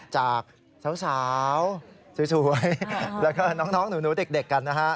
จากสาวสวยแล้วก็น้องหนูเด็กกันนะฮะ